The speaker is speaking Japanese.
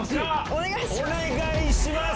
お願いします。